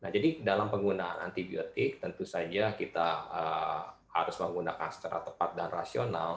jadi dalam penggunaan antibiotik tentu saja kita harus menggunakan secara tepat dan rasional